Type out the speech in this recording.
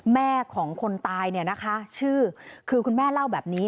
แม่ของคนตายนะคะคือคุณแม่เล่าแบบนี้